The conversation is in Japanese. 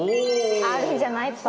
あるんじゃない？